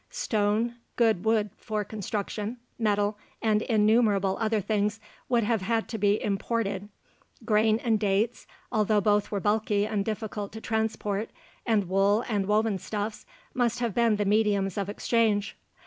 Stone, good wood for construction, metal, and innumerable other things would have had to be imported. Grain and dates although both are bulky and difficult to transport and wool and woven stuffs must have been the mediums of exchange.